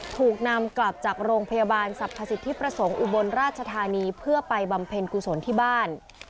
ถูกนำกลับจากโรงพยาบาลสรรพสิทธิประสงค์อุบลราชธานีเพื่อไปบำเพ็ญกุศลที่บ้าน